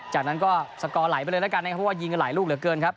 จากนั้นก็สกอร์ไหลไปเลยแล้วกันนะครับเพราะว่ายิงกันหลายลูกเหลือเกินครับ